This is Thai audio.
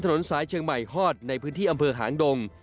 ถนนสายเชียงใหม่ฮอดในพื้นที่อำเภอหางดง